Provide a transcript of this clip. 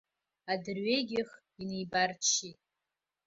Адырҩегьых инеибарччеит.